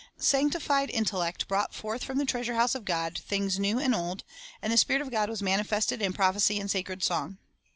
Sanctified intellect brought forth from the treasure house of God things new and old, and the Spirit of God was manifested in prophecy and sacred song.